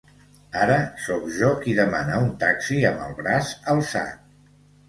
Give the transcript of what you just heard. Ara soc jo, qui demana un taxi amb el braç alçat.